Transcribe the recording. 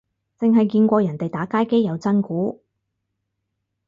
剩係見過人哋打街機有真鼓